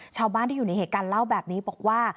ชาวบ้านที่อยู่ในเหตุการณ์เล่าแบบนี้บอกว่า